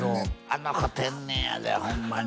「あの子天然やでホンマに」